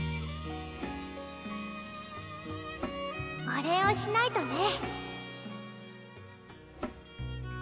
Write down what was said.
お礼をしないとね。